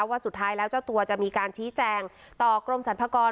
ว่าสุดท้ายแล้วเจ้าตัวจะมีการชี้แจงต่อกรมสรรพากร